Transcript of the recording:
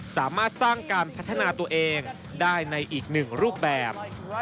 สามารถสร้างการพัฒนาตัวเองได้ในอีกหนึ่งรูปแบบ